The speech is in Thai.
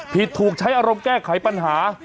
ถูกใช้อารมณ์แก้ไขปัญหา